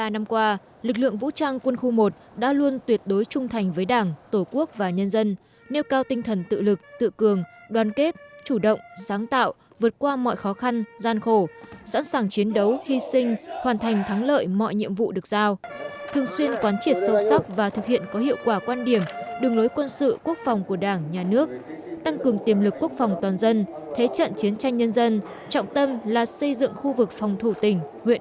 bảy mươi ba năm qua lực lượng vũ trang quân khu một đã luôn tuyệt đối trung thành với đảng tổ quốc và nhân dân nêu cao tinh thần tự lực tự cường đoàn kết chủ động sáng tạo vượt qua mọi khó khăn gian khổ sẵn sàng chiến đấu hy sinh hoàn thành thắng lợi mọi nhiệm vụ được giao thường xuyên quán triệt sâu sắc và thực hiện có hiệu quả quan điểm đường lối quân sự quốc phòng của đảng nhà nước tăng cường tiềm lực quốc phòng toàn dân thế trận chiến tranh nhân dân trọng tâm là xây dựng khu vực phòng thủ tỉnh huyện